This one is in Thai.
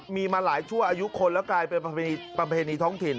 มีมาหลายชั่วอายุคนแล้วกลายเป็นประเพณีท้องถิ่น